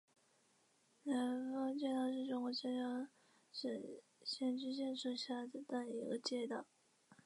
南峰街道是中国浙江省仙居县所辖的一个街道。